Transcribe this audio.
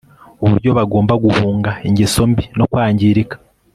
uburyo bagomba guhunga ingeso mbi no kwangirika